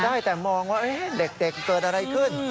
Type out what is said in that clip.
ได้แต่มองว่าเด็กเกิดอะไรขึ้น